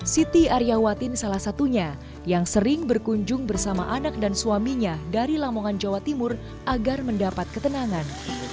siti aryawatin salah satunya yang sering berkunjung bersama anak dan suaminya dari lamongan jawa timur agar mendapat ketenangan